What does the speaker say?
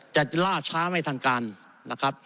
จะล่าช้าไม่ทันการนะครับ